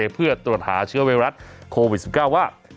เพื่อตรวจหาเชื้อไวรัสโควิด๑๙ว่า